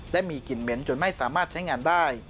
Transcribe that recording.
และมีกลิ่นเหม็นจนไม่สามารถใช้งานได้